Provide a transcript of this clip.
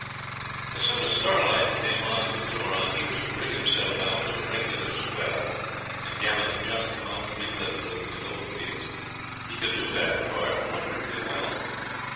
As soon as Starlight came on to the Turon he was to rig himself out as a regular swell, and gammon he'd just come out from England to look at the goldfields. He could do that part wonderfully well.